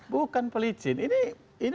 bukan pelicin ini